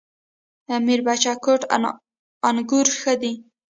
میربچه کوټ انګور ښه دي؟